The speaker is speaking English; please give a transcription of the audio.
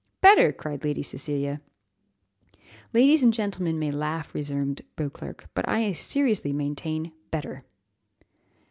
"Better!" cried Lady Cecilia. "Ladies and gentlemen may laugh," resumed Beauclerc, "but I seriously maintain better!"